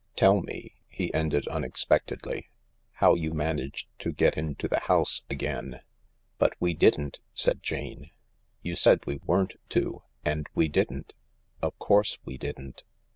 "... Tell me," he ended unexpectedly, "how you managed to get into the house again ?"" But we didn't," said Jane. " You said we weren't to and we didn't. Of course we didn't."